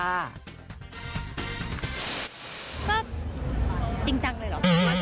ก็จริงจังเลยเหรอ